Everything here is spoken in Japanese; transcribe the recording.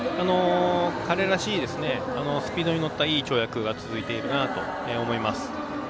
彼らしいスピードに乗ったいい跳躍が続いていると思います。